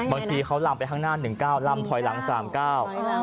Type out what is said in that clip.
บางทีเขาลำไปข้างหน้า๑ก้าวลำถอยหลัง๓ก้าว